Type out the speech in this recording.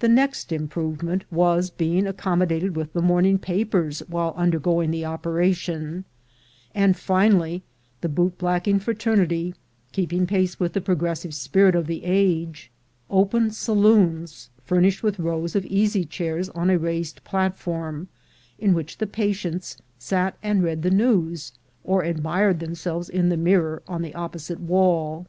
The next improvement was being accommodated with the morning papers while under going the operation; and finally, the bootblacking A CITY IN THE MAKING ,57 fraternity, keeping pace with the progressive spirit of the age, opened saloons furnished with rows of easy chairs on a raised platform, in which the patients sat and read the news, or admired themselves in the mirror on the opposite wall.